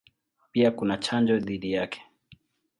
Pia kuna chanjo dhidi yake.